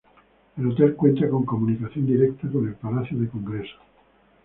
El hotel cuenta con comunicación directa con el palacio de congresos.